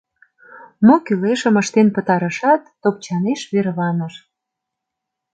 Мо кӱлешым ыштен пытарышат, топчанеш верланыш.